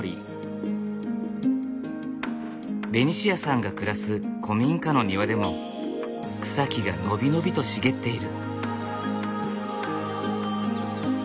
ベニシアさんが暮らす古民家の庭でも草木が伸び伸びと茂っている。